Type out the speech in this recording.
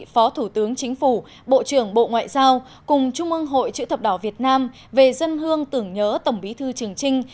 phó thủ tướng chính phủ bộ trưởng bộ ngoại giao cùng trung ương hội chữ thập đỏ việt nam về dân hương tưởng nhớ tổng bí thư trường trinh